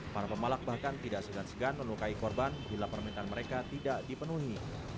para pemalak bahkan tidak segan segan melukai korban bila permintaan mereka tidak dipenuhi